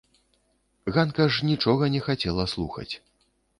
Ганка ж нічога не хацела слухаць.